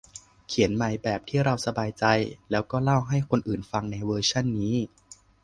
เขียนใหม่แบบที่เราสบายใจ แล้วก็เล่าให้คนอื่นฟังในเวอร์ชันนี้